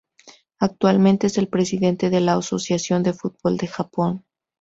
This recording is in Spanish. Actualmente es el presidente de la Asociación de Fútbol de Japón.